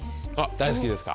大好きです。